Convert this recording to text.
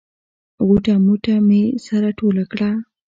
غوټه موټه مې سره ټوله کړه.